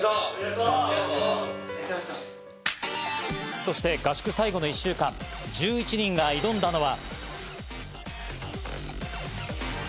そして合宿最後の１週間、１１人が挑んだのは。